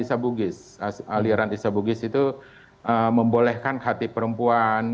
aliran isa bugis itu membolehkan khatib perempuan